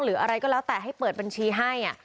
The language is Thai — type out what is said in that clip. หรืออะไรก็แล้วแต่ให้เปิดบัญชีให้